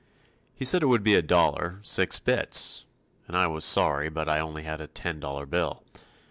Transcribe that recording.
He said it would be a "dollar, six bits," and I was sorry, but I only had a ten dollar bill.